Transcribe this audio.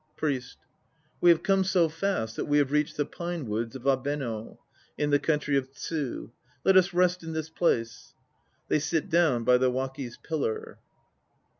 PRIEST. We have come so fast that we have reached the pine woods of Abeno, in the country of Tsu. Let us rest in this place. (They sit down by the Waki's pillar.)